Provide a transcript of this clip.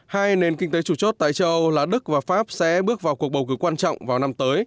hai nền kinh tế chủ chốt tại châu âu là đức và pháp sẽ bước vào cuộc bầu cử quan trọng vào năm tới